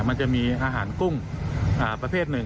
มันจะมีอาหารกุ้งประเภทหนึ่ง